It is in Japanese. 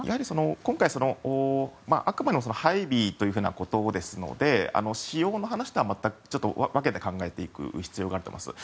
今回、あくまでも配備ということですので使用の話とは分けて考えていく必要があると思います。